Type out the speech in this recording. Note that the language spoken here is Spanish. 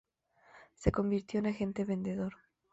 Se convirtió en agente vendedor.